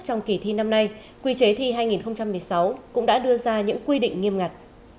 trong kỳ thi năm nay quy chế thi hai nghìn một mươi sáu cũng đã đưa ra những quy định nghiêm ngặt